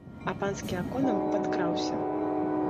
А панскі аконам падкраўся.